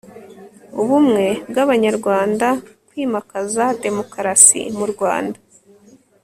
ubumwe bw'abanyarwanda, kwimakaza demokarasi mu rwanda